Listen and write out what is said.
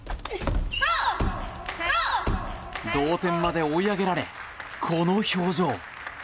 同点まで追い上げられこの表情。